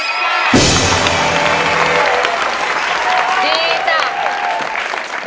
ดีจ้ะ